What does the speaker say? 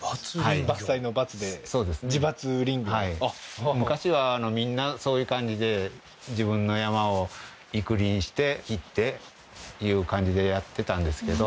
はい昔はみんなそういう感じで自分の山を育林していっていう感じでやってたんですけど